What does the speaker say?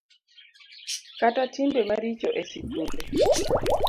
Kata timbe maricho e sikunde